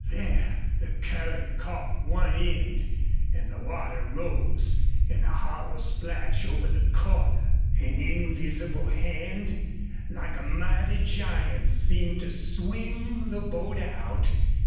There! the current caught one end and the water rose in a hollow splash over the corner. An invisible hand, like a mighty giant's, seemed to swing the boat out.